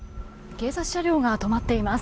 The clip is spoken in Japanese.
警察車両が止まっています。